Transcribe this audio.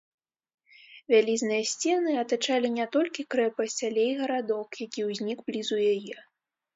Вялізныя сцены атачалі не толькі крэпасць, але і гарадок, які ўзнік блізу яе.